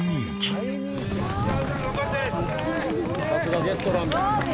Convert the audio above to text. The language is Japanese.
「さすがゲストランナー」